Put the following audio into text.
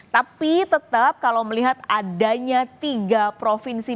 tapi tetap kalau melihat adanya tiga provinsi